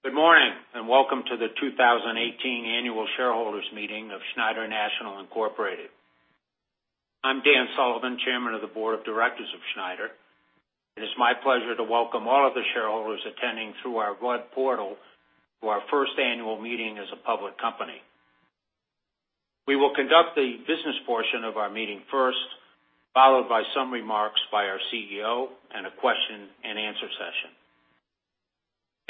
Good morning, and welcome to the 2018 Annual Shareholders Meeting of Schneider National Incorporated. I'm Dan Sullivan, Chairman of the Board of Directors of Schneider. It is my pleasure to welcome all of the shareholders attending through our web portal for our first annual meeting as a public company. We will conduct the business portion of our meeting first, followed by some remarks by our CEO and a question-and-answer session.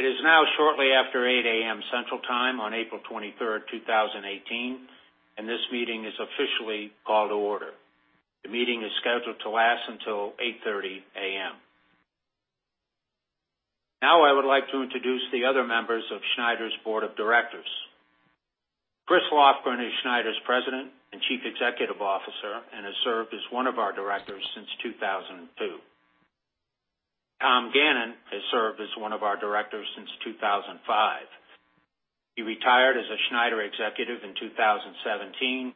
It is now shortly after 8:00 A.M. Central Time on April 23, 2018, and this meeting is officially called to order. The meeting is scheduled to last until 8:30 A.M. Now, I would like to introduce the other members of Schneider's Board of Directors. Chris Lofgren is Schneider's President and Chief Executive Officer, and has served as one of our directors since 2002. Tom Gannon has served as one of our directors since 2005. He retired as a Schneider executive in 2017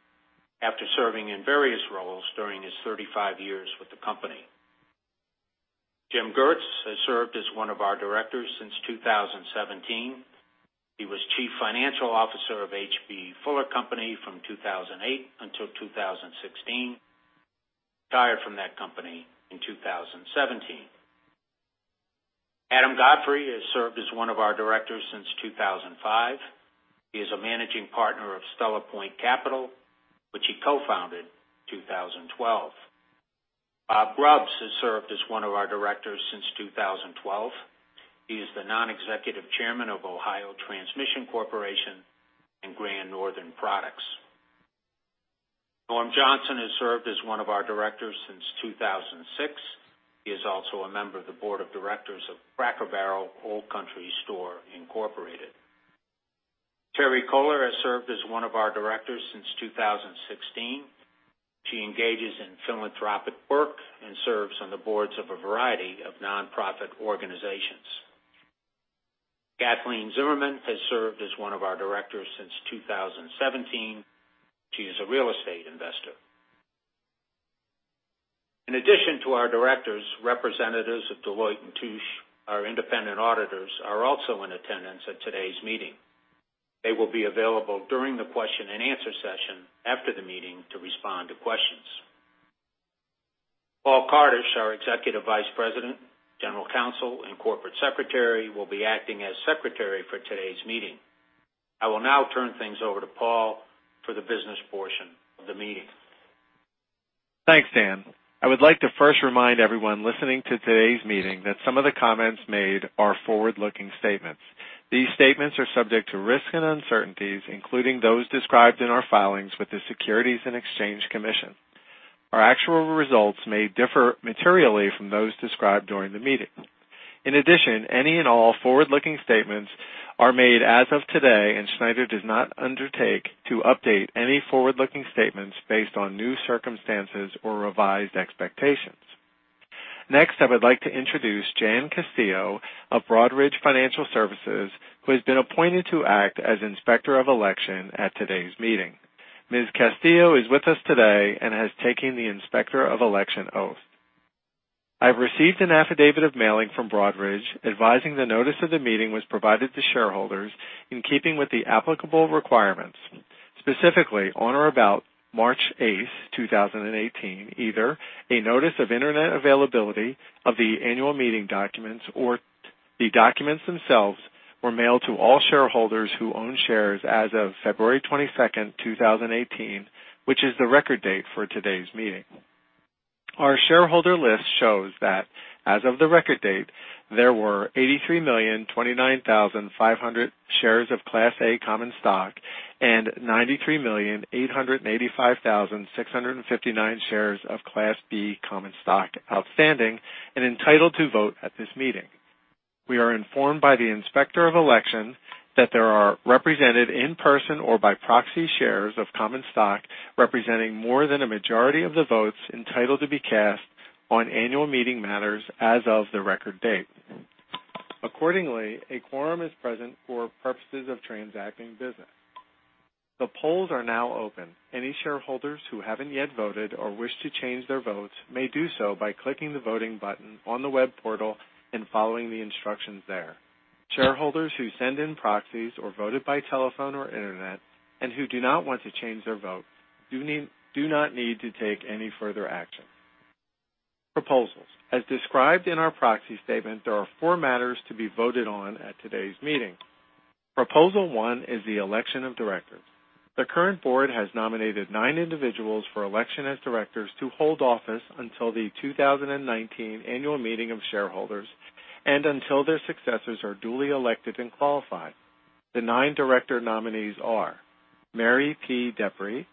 after serving in various roles during his 35 years with the company. Jim Gietzen has served as one of our directors since 2017. He was Chief Financial Officer of H.B. Fuller Company from 2008 until 2016. Retired from that company in 2017. Adam Godfrey has served as one of our directors since 2005. He is a Managing Partner of Stella Point Capital, which he co-founded in 2012. Bob Grubbs has served as one of our directors since 2012. He is the Non-Executive Chairman of Ohio Transmission Corporation and Grand Northern Products. Norman Johnson has served as one of our directors since 2006. He is also a member of the Board of Directors of Cracker Barrel Old Country Store Incorporated. Therese Koller has served as one of our directors since 2016. She engages in philanthropic work and serves on the boards of a variety of nonprofit organizations. Kathleen Zimmerman has served as one of our directors since 2017. She is a real estate investor. In addition to our directors, representatives of Deloitte & Touche, our independent auditors, are also in attendance at today's meeting. They will be available during the question-and-answer session after the meeting to respond to questions. Paul Kardish, our Executive Vice President, General Counsel, and Corporate Secretary, will be acting as secretary for today's meeting. I will now turn things over to Paul for the business portion of the meeting. Thanks, Dan. I would like to first remind everyone listening to today's meeting that some of the comments made are forward-looking statements. These statements are subject to risks and uncertainties, including those described in our filings with the Securities and Exchange Commission. Our actual results may differ materially from those described during the meeting. In addition, any and all forward-looking statements are made as of today, and Schneider does not undertake to update any forward-looking statements based on new circumstances or revised expectations. Next, I would like to introduce Jean Castillo of Broadridge Financial Services, who has been appointed to act as Inspector of Election at today's meeting. Ms. Castillo is with us today and has taken the Inspector of Election oath. I've received an affidavit of mailing from Broadridge advising the notice of the meeting was provided to shareholders in keeping with the applicable requirements. Specifically, on or about March 8, 2018, either a notice of internet availability of the annual meeting documents or the documents themselves were mailed to all shareholders who own shares as of February 22, 2018, which is the record date for today's meeting. Our shareholder list shows that as of the record date, there were 83,029,500 shares of Class A common stock and 93,885,659 shares of Class B common stock outstanding and entitled to vote at this meeting. We are informed by the Inspector of Election that there are represented in person or by proxy shares of common stock, representing more than a majority of the votes entitled to be cast on annual meeting matters as of the record date. Accordingly, a quorum is present for purposes of transacting business. The polls are now open. Any shareholders who haven't yet voted or wish to change their votes may do so by clicking the voting button on the web portal and following the instructions there. Shareholders who send in proxies or voted by telephone or internet and who do not want to change their vote do not need to take any further action. Proposals. As described in our proxy statement, there are four matters to be voted on at today's meeting. Proposal one is the election of directors. The current board has nominated nine individuals for election as directors to hold office until the 2019 annual meeting of shareholders and until their successors are duly elected and qualified. The nine director nominees are Mary DePrey,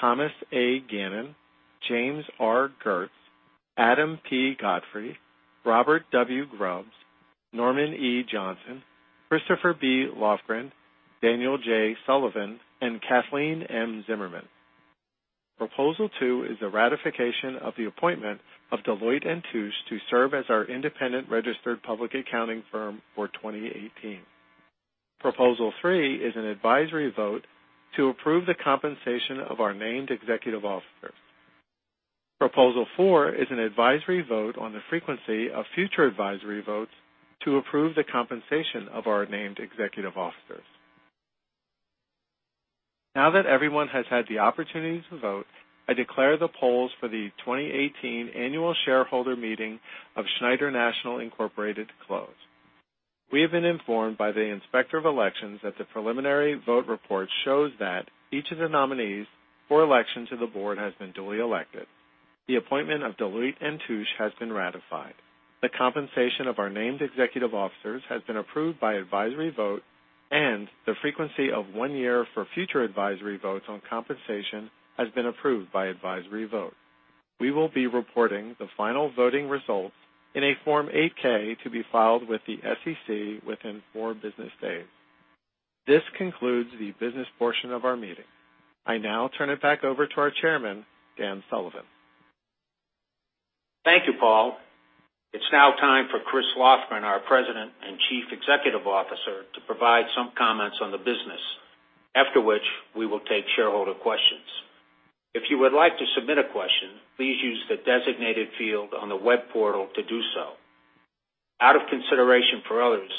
Thomas A. Gannon, James R. Gietzen, Adam P. Godfrey, Robert W. Grubbs, Norman E. Johnson, Christopher B. Lofgren, Daniel J. Sullivan, and Kathleen M. Zimmerman. Proposal two is a ratification of the appointment of Deloitte & Touche to serve as our independent registered public accounting firm for 2018. Proposal three is an advisory vote to approve the compensation of our named executive officers.... Proposal four is an advisory vote on the frequency of future advisory votes to approve the compensation of our named executive officers. Now that everyone has had the opportunity to vote, I declare the polls for the 2018 Annual Shareholder Meeting of Schneider National Incorporated closed. We have been informed by the Inspector of Elections that the preliminary vote report shows that each of the nominees for election to the board has been duly elected. The appointment of Deloitte & Touche has been ratified. The compensation of our named executive officers has been approved by advisory vote, and the frequency of one year for future advisory votes on compensation has been approved by advisory vote. We will be reporting the final voting results in a Form 8-K, to be filed with the SEC within four business days. This concludes the business portion of our meeting. I now turn it back over to our Chairman, Dan Sullivan. Thank you, Paul. It's now time for Chris Lofgren, our President and Chief Executive Officer, to provide some comments on the business, after which we will take shareholder questions. If you would like to submit a question, please use the designated field on the web portal to do so. Out of consideration for others,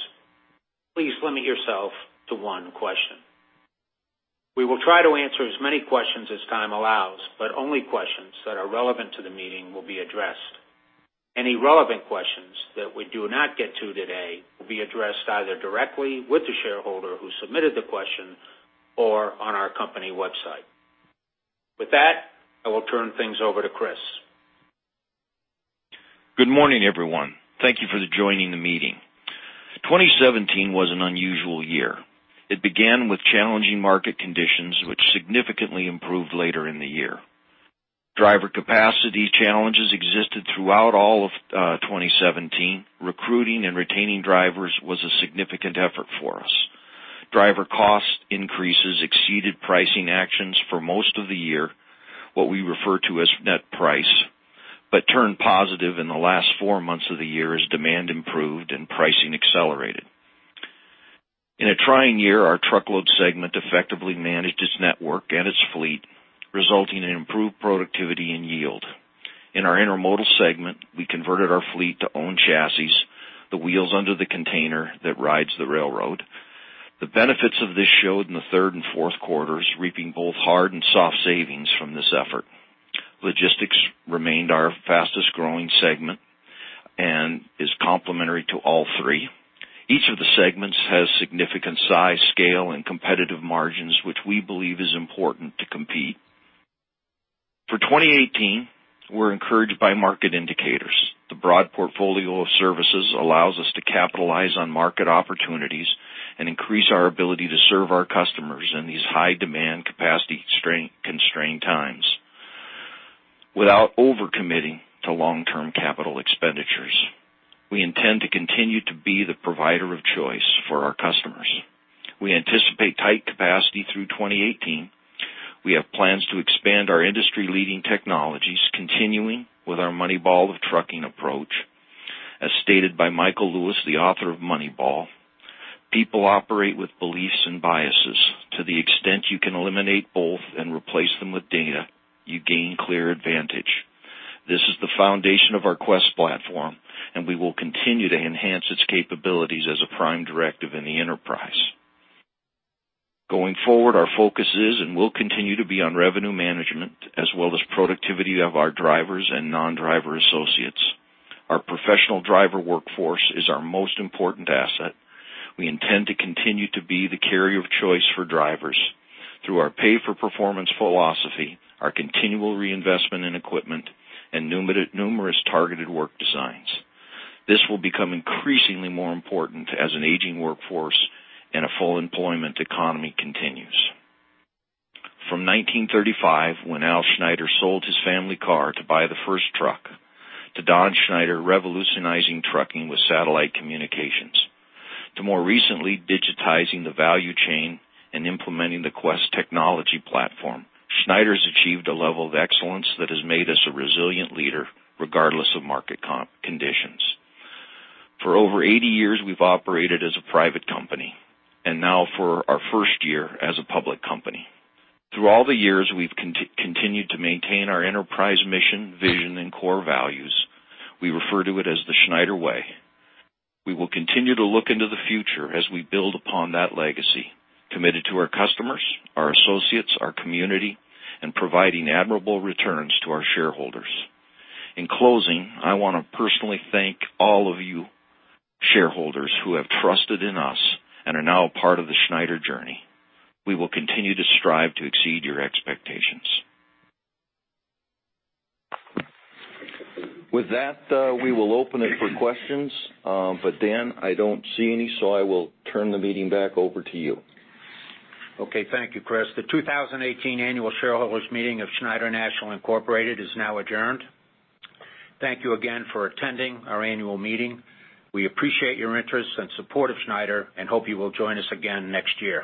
please limit yourself to one question. We will try to answer as many questions as time allows, but only questions that are relevant to the meeting will be addressed. Any relevant questions that we do not get to today, will be addressed either directly with the shareholder who submitted the question or on our company website. With that, I will turn things over to Chris. Good morning, everyone. Thank you for joining the meeting. 2017 was an unusual year. It began with challenging market conditions, which significantly improved later in the year. Driver capacity challenges existed throughout all of 2017. Recruiting and retaining drivers was a significant effort for us. Driver cost increases exceeded pricing actions for most of the year, what we refer to as net price, but turned positive in the last four months of the year as demand improved and pricing accelerated. In a trying year, our truckload segment effectively managed its network and its fleet, resulting in improved productivity and yield. In our intermodal segment, we converted our fleet to own chassis, the wheels under the container that rides the railroad. The benefits of this showed in the third and fourth quarters, reaping both hard and soft savings from this effort. Logistics remained our fastest growing segment and is complementary to all three. Each of the segments has significant size, scale, and competitive margins, which we believe is important to compete. For 2018, we're encouraged by market indicators. The broad portfolio of services allows us to capitalize on market opportunities and increase our ability to serve our customers in these high-demand, capacity, strength-constrained times, without over-committing to long-term capital expenditures. We intend to continue to be the provider of choice for our customers. We anticipate tight capacity through 2018. We have plans to expand our industry-leading technologies, continuing with our Moneyball of trucking approach. As stated by Michael Lewis, the author of Moneyball, "People operate with beliefs and biases. To the extent you can eliminate both and replace them with data, you gain clear advantage." This is the foundation of our Quest platform, and we will continue to enhance its capabilities as a prime directive in the enterprise. Going forward, our focus is and will continue to be on revenue management as well as productivity of our drivers and non-driver associates. Our professional driver workforce is our most important asset. We intend to continue to be the carrier of choice for drivers through our pay-for-performance philosophy, our continual reinvestment in equipment, and numerous targeted work designs. This will become increasingly more important as an aging workforce and a full employment economy continues. From 1935, when Al Schneider sold his family car to buy the first truck, to Don Schneider revolutionizing trucking with satellite communications, to more recently digitizing the value chain and implementing the Quest technology platform, Schneider's achieved a level of excellence that has made us a resilient leader, regardless of market conditions. For over 80 years, we've operated as a private company, and now for our first year as a public company. Through all the years, we've continued to maintain our enterprise, mission, vision, and core values. We refer to it as the Schneider Way. We will continue to look into the future as we build upon that legacy, committed to our customers, our associates, our community, and providing admirable returns to our shareholders. In closing, I want to personally thank all of you shareholders who have trusted in us and are now a part of the Schneider journey. We will continue to strive to exceed your expectations. With that, we will open it for questions. But Dan, I don't see any, so I will turn the meeting back over to you. Okay. Thank you, Chris. The 2018 Annual Shareholders Meeting of Schneider National, Incorporated is now adjourned. Thank you again for attending our annual meeting. We appreciate your interest and support of Schneider, and hope you will join us again next year.